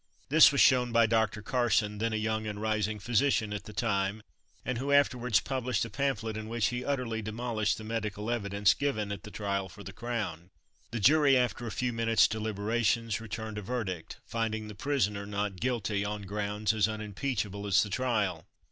This was shown by Dr. Carson, then a young and rising physician at the time, and who afterwards published a pamphlet in which he utterly demolished the medical evidence given at the trial for the crown. The jury, after a few minutes' deliberation, returned a verdict, finding the prisoner "Not Guilty," on grounds as unimpeachable as the trial.